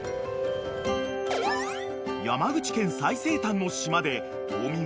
［山口県最西端の島で島民